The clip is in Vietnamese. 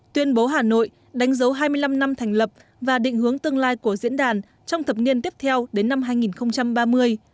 tuyên bố hà nội đánh dấu hai mươi năm năm thành lập và định hướng tương lai của diễn đàn trong thập niên tiếp theo đến năm hai nghìn ba mươi